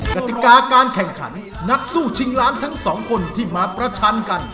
กติกาการแข่งขันนักสู้ชิงล้านทั้งสองคนที่มาประชันกัน